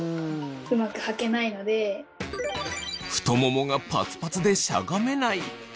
太ももがパツパツでしゃがめない。